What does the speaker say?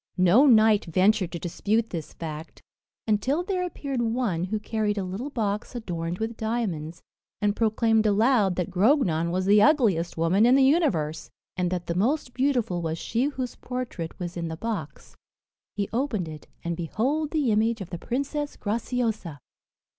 No knight ventured to dispute this fact, until there appeared one who carried a little box adorned with diamonds, and proclaimed aloud that Grognon was the ugliest woman in the universe, and that the most beautiful was she whose portrait was in the box. He opened it, and behold the image of the Princess Graciosa!